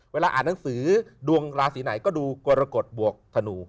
เวลาอ่านหนังสือดวงราศีไหนก็ดูกรกฎบวกธนู